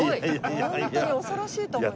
ホントに恐ろしいと思います。